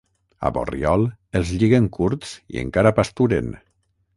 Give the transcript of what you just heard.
A Borriol els lliguen curts i encara pasturen.